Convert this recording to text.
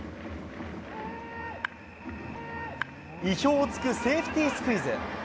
意表をつくセーフティスクイズ。